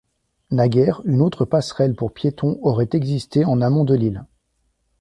Naguère, une autre passerelle pour piétons aurait existé en amont de l'île.